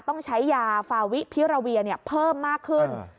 ต้องใช้ยาฟาวิพิราเวียเพิ่มมากขึ้น